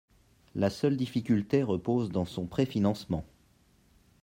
La seule difficulté repose dans son préfinancement.